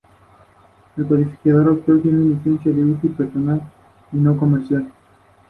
Irish Grove No.